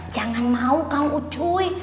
jangan mau kamu cuy